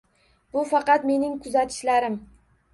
Bu faqat mening kuzatishlarim